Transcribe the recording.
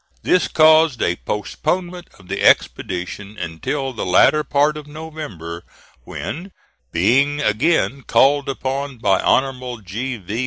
This caused a postponement of the expedition until the later part of November, when, being again called upon by Hon. G. V.